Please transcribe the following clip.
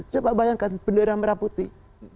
coba bayangkan bendera merah putih